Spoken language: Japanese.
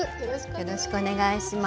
よろしくお願いします。